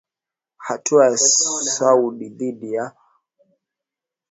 Hatua ya Saudi dhidi ya kuwanyonga wa-shia ilizua machafuko katika eneo hilo hapo awali.